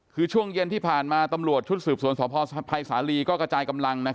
คือช่วงเย็นที่ผ่านมาตำรวจชุดสืบสวนสพภัยสาลีก็กระจายกำลัง